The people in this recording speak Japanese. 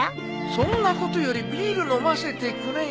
そんなことよりビール飲ませてくれよ。